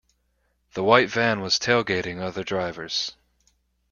The white van was tailgating other drivers.